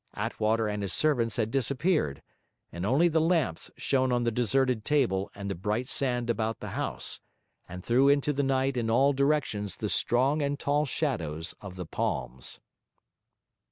Attwater and his servants had disappeared; and only the lamps shone on the deserted table and the bright sand about the house, and threw into the night in all directions the strong and tall shadows of the palms.